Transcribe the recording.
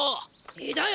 いいだよ